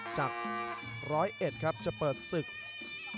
จะเจอกันอีกครั้ง